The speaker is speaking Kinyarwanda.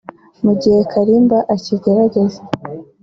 mu gihe Kalimba akigerageza